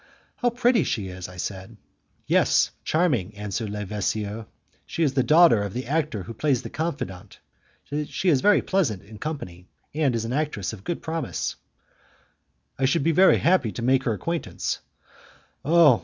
"How pretty she is!" I said. "Yes, charming," answered Le Vasseur, "She is the daughter of the actor who plays the confidant. She is very pleasant in company, and is an actress of good promise." "I should be very happy to make her acquaintance." "Oh!